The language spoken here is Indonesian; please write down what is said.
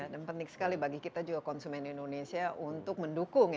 dan penting sekali bagi kita juga konsumen indonesia untuk mendukung